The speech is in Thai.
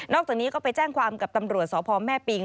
จากนี้ก็ไปแจ้งความกับตำรวจสพแม่ปิง